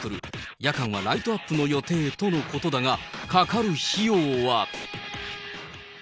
夜間はライトアップの予定ということだが、かかる費用は。